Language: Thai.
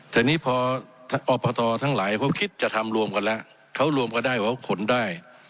แต่นี่พออบตทั้งหลายเขาคิดจะทำรวมกันแล้วเขารวมกันได้เขาขนได้